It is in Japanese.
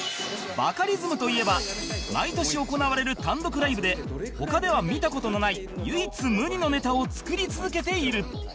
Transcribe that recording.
バカリズムといえば毎年行われる単独ライブで他では見た事のない唯一無二のネタを作り続けている